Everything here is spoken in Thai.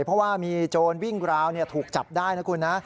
เพราะว่ามีโจรวิ่งกราวน์ถูกจับได้นะครับคุณ